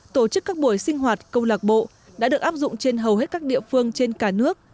tổ chức các buổi sinh hoạt câu lạc bộ đã được áp dụng trên hầu hết các địa phương trên cả nước